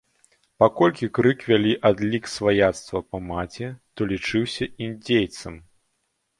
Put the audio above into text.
Паколькі крык вялі адлік сваяцтва па маці, то лічыўся індзейцам.